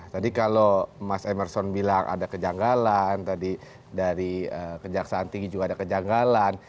tadi kalau mas emerson bilang ada kejanggalan tadi dari kejaksaan tinggi juga ada kejanggalan